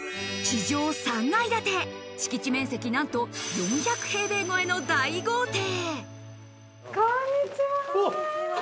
地上３階建て、敷地面積、なんと４００平米超えの大豪邸。